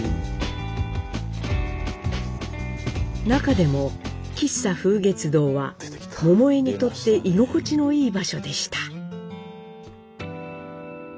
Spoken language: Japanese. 中でも喫茶「風月堂」は桃枝にとって居心地のいい場所でした。